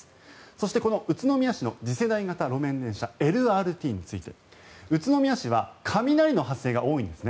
そしてこの宇都宮市の次世代型路面電車・ＬＲＴについて宇都宮市は雷の発生が多いんです。